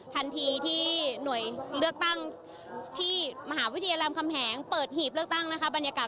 ทันทีที่หน่วยเลือกตั้งที่มหาวิทยาลำคำแหงเปิดหีบเลือกตั้งนะคะบรรยากาศ